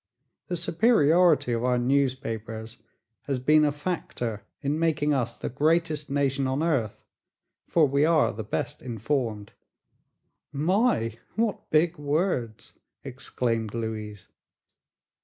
The superiority of our newspapers has been a factor in making us the greatest nation on earth, for we are the best informed." "My, what big words!" exclaimed Louise.